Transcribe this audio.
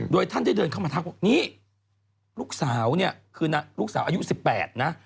โดยท่านได้เดินเข้ามาทักว่านี่ลูกสาวเนี่ยคือลูกสาวอายุ๑๘นะ